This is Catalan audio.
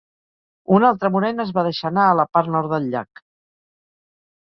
Una altra morena es va deixar anar a la part nord del llac.